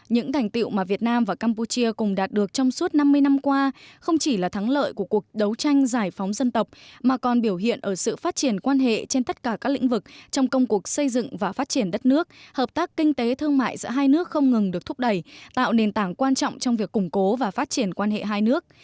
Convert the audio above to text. những thành tiệu mà việt nam và campuchia cùng đạt được trong suốt năm mươi năm qua không chỉ là thắng lợi của cuộc đấu tranh giải phóng dân tộc mà còn biểu hiện ở sự phát triển quan hệ trên tất cả các lĩnh vực trong công cuộc xây dựng và phát triển đất nước hợp tác kinh tế thương mại giữa hai nước không ngừng được thúc đẩy tạo nền tảng quan trọng trong việc củng cố và phát triển quan hệ hai nước